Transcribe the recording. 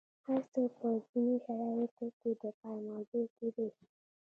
هر څه په ځینو شرایطو کې د کار موضوع کیدای شي.